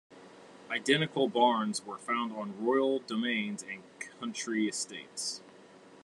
Identical barns were found on royal domains and country estates.